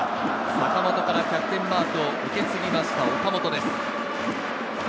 坂本からキャプテンマークを受け継ぎました、岡本です。